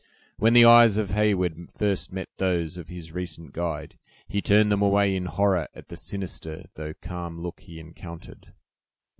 When the eyes of Heyward first met those of his recent guide, he turned them away in horror at the sinister though calm look he encountered.